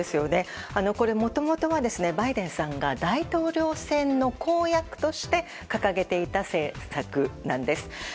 もともとはこれバイデンさんが大統領選の公約として掲げていた政策なんです。